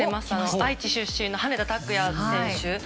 愛知出身の羽根田卓也選手。